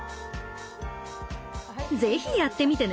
ぜひやってみてね！